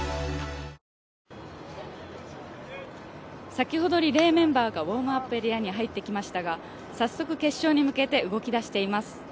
先ほどリレーメンバーがウォームアップエリアに入ってきましたが早速決勝に向けて動きだしています。